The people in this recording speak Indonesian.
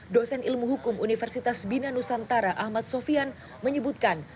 dosen ilmu hukum universitas bina nusantara ahmad sofian menyebutkan